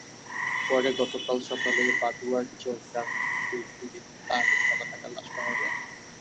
পরে গতকাল সকালে বাদুয়ারচর গ্রামের নদীর তীরে তাঁর গলাকাটা লাশ পাওয়া যায়।